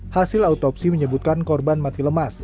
hasil autopsi menyebutkan korban mati lemas